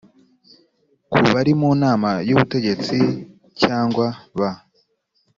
ku bari mu nama y ubutegetsi cyangwa ba